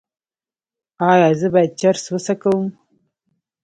ایا زه باید چرس وڅکوم؟